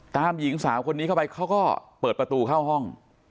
หญิงสาวคนนี้เข้าไปเขาก็เปิดประตูเข้าห้อง